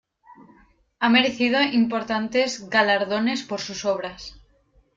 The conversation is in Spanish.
Ha merecido importantes galardones por sus obras.